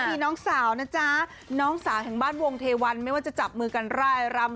มีน้องสาวนะจ๊ะน้องสาวแห่งบ้านวงเทวันไม่ว่าจะจับมือกันร่ายรำ